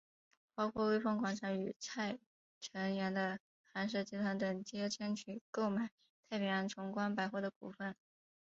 包括微风广场与蔡辰洋的寒舍集团等皆争取购买太平洋崇光百货的股份。